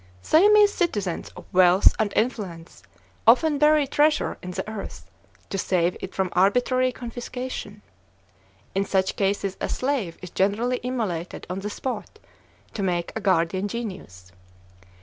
Siamese citizens of wealth and influence often bury treasure in the earth, to save it from arbitrary confiscation. In such cases a slave is generally immolated on the spot, to make a guardian genius.